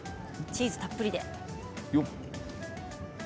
チーズたっぷりで。